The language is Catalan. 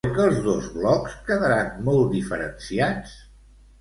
Creu que els dos blocs quedaran molt diferenciats?